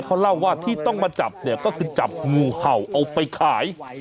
เขาเล่าว่าที่ต้องมาจับเนี่ยก็คือจับงูเห่าเอาไปขาย